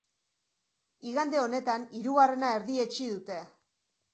Igande honetan, hirugarrena erdietsi dute.